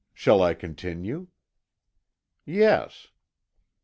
Shall I continue?" "Yes."